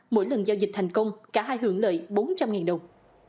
mỗi lần giao dịch thành công cả hai hưởng lợi bốn trăm linh đồng